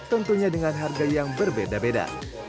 tentunya dengan harga yang berbeda beda